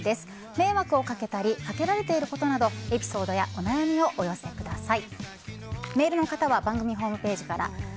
迷惑をかけたりかけられていることなどエピソードやお悩みをお寄せください。